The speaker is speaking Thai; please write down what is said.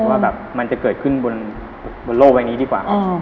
ว่าแบบมันจะเกิดขึ้นบนโลกใบนี้ดีกว่าครับ